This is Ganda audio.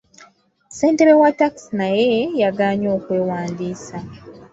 Ssentebe wa ttakisi naye yagaanye okwewandiisa.